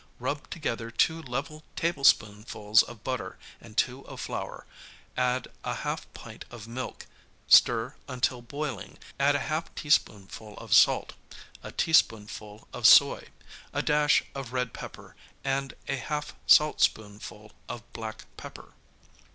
Rub together two level tablespoonfuls of butter and two of flour, add a half pint of milk, stir until boiling, add a half teaspoonful of salt, a teaspoonful of soy, a dash of red pepper and a half saltspoonful 68of black pepper.